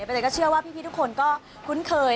เตยก็เชื่อว่าพี่ทุกคนก็คุ้นเคย